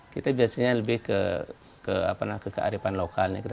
kita biasanya lebih ke kearifan lokal